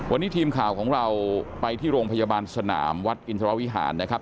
วันนี้ทีมข่าวของเราไปที่โรงพยาบาลสนามวัดอินทรวิหารนะครับ